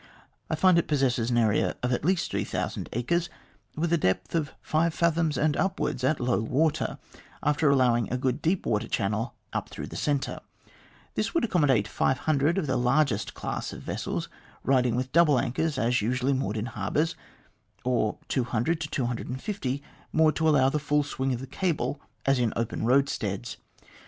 I find it possesses an area of at least 3000 acres, with a depth of five fathoms and upwards at low water, after allowing a good deep water channel up through the centre. This would accommodate 500 of the largest class of vessels riding with double anchors as usually moored in harbours, or 200 to 250 moored to allow the full swing of the cable, as in open roadsteads.